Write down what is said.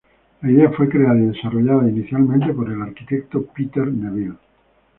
La idea fue creada y desarrollada inicialmente por el arquitecto Peter Neville.